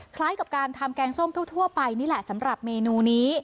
คล้ายกับการทำแกงส้มทั่วไปนี่แหละสำหรับเมนูนี้